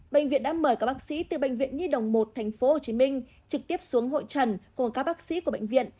bệnh viện đã mời các bác sĩ từ bệnh viện nhi đồng một tp hcm trực tiếp xuống hội trần cùng các bác sĩ của bệnh viện